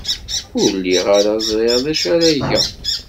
Ur lliɣ ara ẓriɣ d acu ara geɣ.